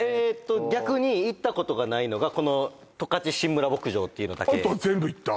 逆に行ったことがないのがこの十勝しんむら牧場っていうのだけあとは全部行った？